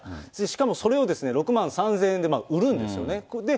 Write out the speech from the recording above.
しかもそれを６万３０００円で売るんですよね。